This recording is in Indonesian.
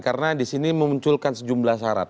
karena di sini memunculkan sejumlah syarat